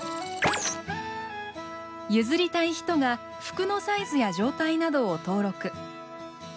譲りたい人が服のサイズや状態などを登録。